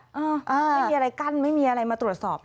ไม่มีอะไรกั้นไม่มีอะไรมาตรวจสอบ